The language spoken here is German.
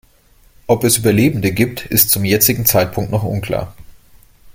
Ob es Überlebende gibt, ist zum jetzigen Zeitpunkt noch unklar.